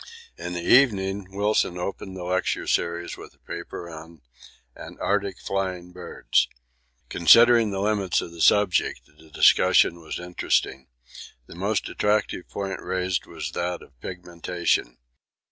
In the evening Wilson opened the lecture series with a paper on 'Antarctic Flying Birds.' Considering the limits of the subject the discussion was interesting. The most attractive point raised was that of pigmentation.